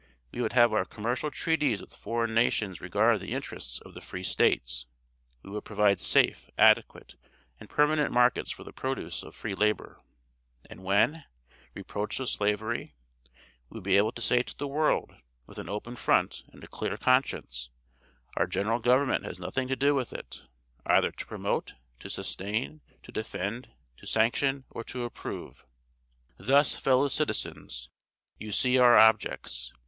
We would have our commercial treaties with foreign nations regard the interests of the Free states. We would provide safe, adequate, and permanent markets for the produce of free labor. And, when reproached with slavery, we would be able to say to the world, with an open front and a clear conscience, our General Government has nothing to do with it, either to promote, to sustain, to defend, to sanction, or to approve. "Thus, fellow citizens, you see our objects.